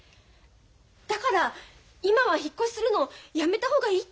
だから今は引っ越しするのやめた方がいいって思うの。